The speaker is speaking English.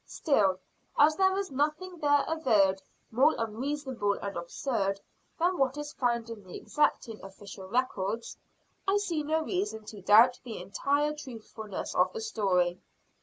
Still, as there is nothing there averred more unreasonable and absurd than what is found in the existing official records, I see no reason to doubt the entire truthfulness of the story.